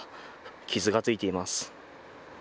傷がついています。